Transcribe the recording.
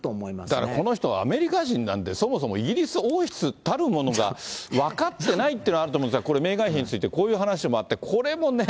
だからこの人はアメリカ人なんで、そもそもイギリス王室たるものが分かってないっていうのはあると思うんですが、これ、メーガン妃について、こういう話もあって、これもね。